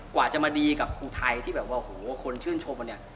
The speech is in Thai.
กว่าจะมาดีกับอุทัยที่แบบว่าโหคนชื่นชมกันเนี่ย